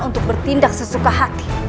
untuk bertindak sesuka hati